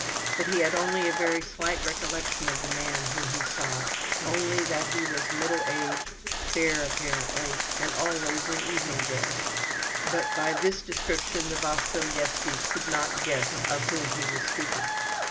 But he had only a very slight recollection of the man whom he sought; only that he was of middle age, fair apparently, and always in evening dress; but by this description the Vasilyevskys could not guess of whom he was speaking.